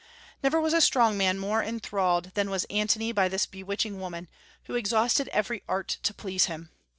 Never was a strong man more enthralled than was Antony by this bewitching woman, who exhausted every art to please him.